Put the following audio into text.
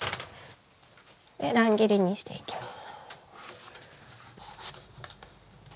で乱切りにしていきます。